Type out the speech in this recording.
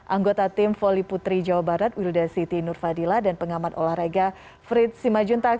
anggota tim voli putri jawa barat wilda siti nur fadila dan pengamat olahraga frits simajuntak